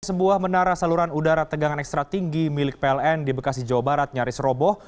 sebuah menara saluran udara tegangan ekstra tinggi milik pln di bekasi jawa barat nyaris roboh